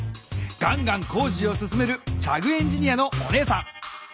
ガンガン工事を進めるチャグ・エンジニアのお姉さん。